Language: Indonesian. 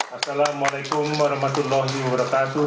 assalamu'alaikum warahmatullahi wabarakatuh